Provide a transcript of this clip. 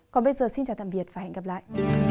còn bây giờ xin chào tạm biệt và hẹn gặp lại